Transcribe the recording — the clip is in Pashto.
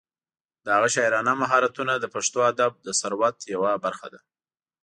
د هغه شاعرانه مهارتونه د پښتو ادب د ثروت یوه برخه ده.